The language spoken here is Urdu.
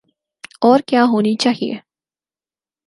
اورکیا ہونی چاہیے۔